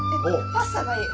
パスタがいい！